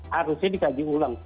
harusnya dikaji ulang